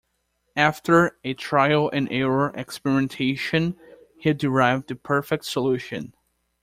After a trial-and-error experimentation, he derived the perfect solution.